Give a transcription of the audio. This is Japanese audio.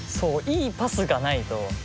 いいパスがないと。